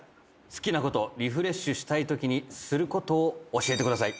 「好きなことリフレッシュしたいときにすることを教えてください」